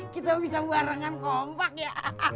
kita bisa barengan kompak ya